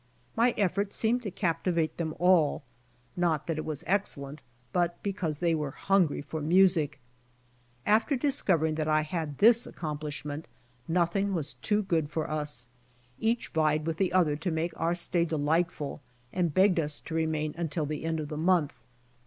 My effort seemed to captivate them all, not that it was excellent, but because they were hungry for music. After dis covering that I had this accomplishment, nothing was too good for us. Each vied with the other to make our stay delightful and begged of us to remain until the end of the month.